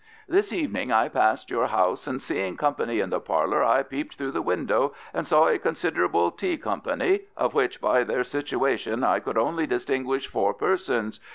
this evening I passed before Your house and seeing Company in the parlour I peep'd through the Window and saw a considerable Tea Company, of which by their situation I could only distinguish four persons.